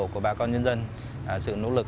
của bà con nhân dân sự nỗ lực